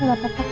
gak pepek kok